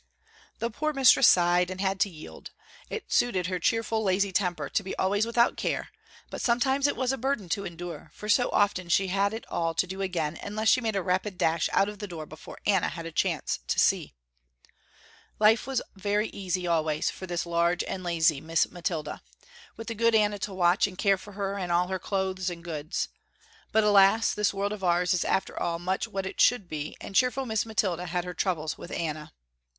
The poor mistress sighed and had to yield. It suited her cheerful, lazy temper to be always without care but sometimes it was a burden to endure, for so often she had it all to do again unless she made a rapid dash out of the door before Anna had a chance to see. Life was very easy always for this large and lazy Miss Mathilda, with the good Anna to watch and care for her and all her clothes and goods. But, alas, this world of ours is after all much what it should be and cheerful Miss Mathilda had her troubles too with Anna.